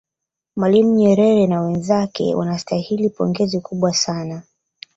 mwalimu nyerere na wenzake wanastahili pongezi kubwa sana